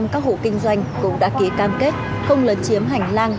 một trăm linh các hộ kinh doanh cũng đã ký cam kết không lấn chiếm hành lang